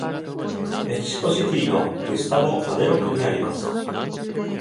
メキシコシティーのグスタボ・マデロ区にあります。